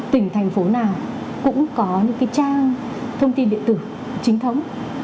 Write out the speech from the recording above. tỉnh thành phố nào cũng có những trang thông tin điện tử chính thống